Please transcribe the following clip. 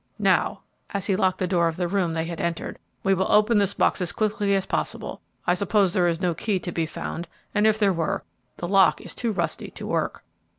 Now," as he locked the door of the room they had entered, "we will open this box as quickly as possible. I suppose there is no key to be found, and, if there were, the lock is too rusty to work."